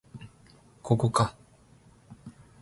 ここか